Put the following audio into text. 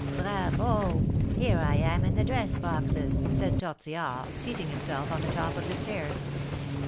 "Bravo! Here I am in the dress boxes!" said Tortillard, seating himself on the top of the stairs.